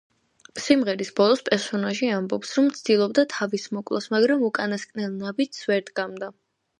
სიმღერის ბოლოს პერსონაჟი ამბობს, რომ ცდილობდა თავის მოკვლას, მაგრამ უკანასკნელ ნაბიჯს ვერ დგამდა.